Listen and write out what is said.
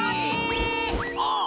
あっ！